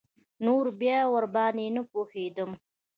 نور بيا ورباندې نه پوهېدم.